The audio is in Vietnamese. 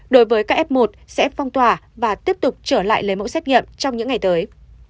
đối với các f một sẽ phong tỏa và tiếp tục trở lại lấy mẫu xét nghiệm trong những ngày tới